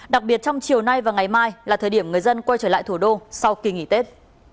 đặc biệt trong chiều nay và ngày mai là thời điểm người dân quay trở lại thủ đô sau kỳ nghỉ tết